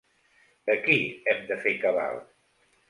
De qui hem de fer cabal?